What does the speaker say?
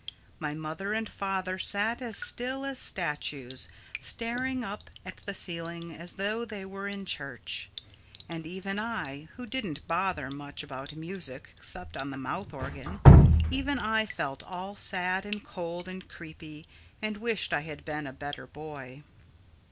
My mother and father sat as still as statues, staring up at the ceiling as though they were in church; and even I, who didn't bother much about music except on the mouth organ—even I felt all sad and cold and creepy and wished I had been a better boy.